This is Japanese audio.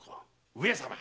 上様！